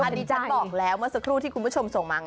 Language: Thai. อันนี้ฉันบอกแล้วเมื่อสักครู่ที่คุณผู้ชมส่งมาไง